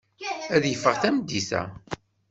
Ad yeffeɣ tameddit-a.